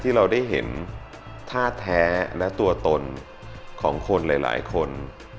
เราได้เห็นท่าแท้และตัวตนของคนหลายคน